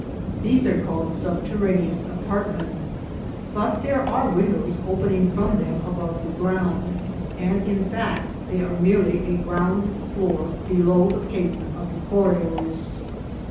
These are called subterraneous apart ments ; but there are windows opening from them above the ground, and, in fact, they are merely a ground floor below the pavement of the corridors.